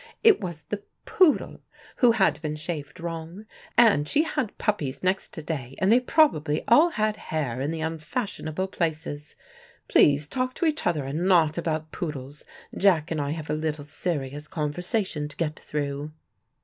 It was the poodle, who had been shaved wrong, and she had puppies next day, and they probably all had hair in the unfashionable places. Please talk to each other, and not about poodles. Jack and I have a little serious conversation to get through."